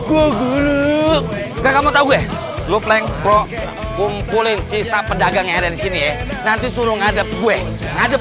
gua gulung kamu tahu gue lu plan pro kumpulin sisa pedagang airnya disini nanti suruh ngadep gue ngadep